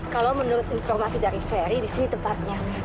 kalau menurut informasi dari ferry di sini tepatnya